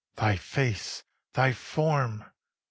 Thy face!... thy form!...